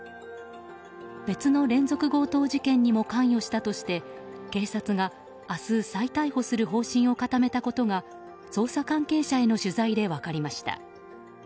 別の連続強盗事件にも関与したとして、警察が明日、再逮捕する方針を固めたことが捜査関係者への取材で分かりました。